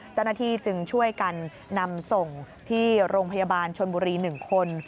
เจ้าหน้าที่จึงช่วยกันนำส่งที่โรงพยาบาลชนบุรี๑คน